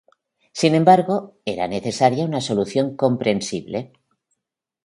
Sin embargo, era necesaria una solución comprensible.